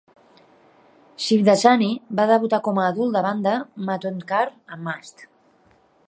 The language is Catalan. Shivdasani va debutar com a adult davant de Matondkar a "Mast".